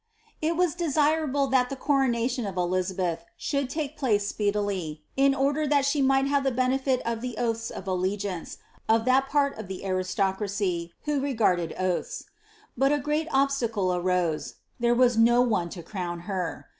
It was desirable that the coronation of Elizabeth should take phee speedily, in order that she might hsve the benefit oT the oiiihe oT iIIih glance, of that part of the aristocracy, who regarded oaths. But a greit obstacle arose : there was no one to crown her.